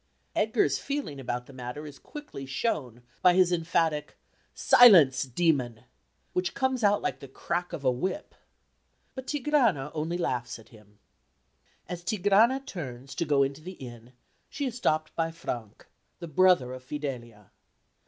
Edgar's feeling about the matter is quickly shown by his emphatic "Silence, demon!" which comes out like the crack of a whip. But Tigrana only laughs at him. As Tigrana turns to go into the inn she is stopped by Frank, the brother of Fidelia.